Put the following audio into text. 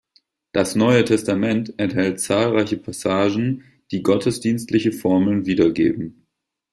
Das Neue Testament enthält zahlreiche Passagen, die gottesdienstliche Formeln wiedergeben.